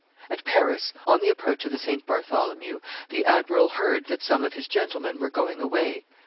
At Paris, on the approach of the St. Bartholomew, the admiral heard that some of his gentlemen were going away.